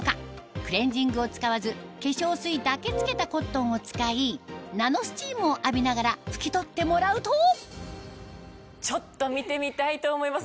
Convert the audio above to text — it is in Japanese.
クレンジングを使わず化粧水だけ付けたコットンを使いナノスチームを浴びながら拭き取ってもらうとちょっと見てみたいと思います